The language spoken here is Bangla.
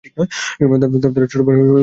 তার ছোট বোন জুলাই মাসে মৃত্যুবরণ করে।